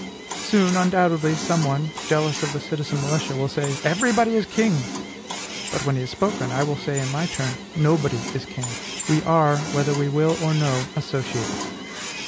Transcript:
Soon, undoubtedly, some one, jealous of the citizen militia, will say, "Everybody is king." But, when he has spoken, I will say, in my turn, "Nobody is king; we are, whether we will or no, associated."